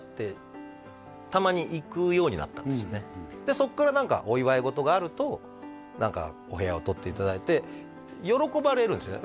そこから何かお祝い事があるとお部屋を取っていただいて喜ばれるんですよね